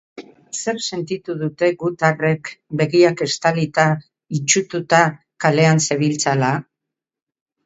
Zer sentitu dute gutarrek begiak estalita, itsututa, kalean zebiltzala?